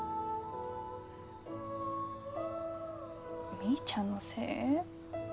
みーちゃんのせい？